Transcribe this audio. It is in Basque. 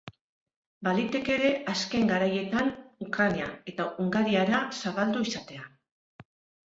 Baliteke ere azken garaietan Ukraina eta Hungariara zabaldu izatea.